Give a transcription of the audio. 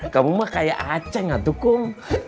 kamu mah kayak aceh enggak tukum